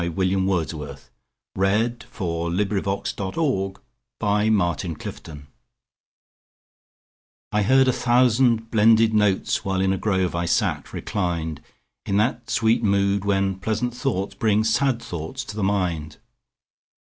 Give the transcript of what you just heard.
William Wordsworth Lines Written in Early Spring I HEARD a thousand blended notes, While in a grove I sate reclined, In that sweet mood when pleasant thoughts Bring sad thoughts to the mind.